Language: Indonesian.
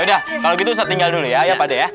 ya udah kalau gitu ustadz tinggal dulu ya pak d ya